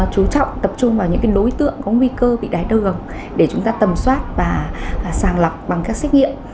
chú trọng tập trung vào những cái đối tượng có nguy cơ bị đai thác đường để chúng ta tầm soát và sàng lọc bằng các xét nghiệm